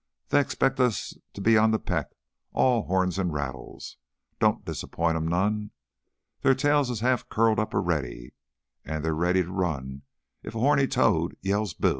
They expect us to be on the peck, all horns an' rattles. Don't disappoint 'em none! Their tails is half curled up already, an' they're ready to run if a horny toad yells Boo!"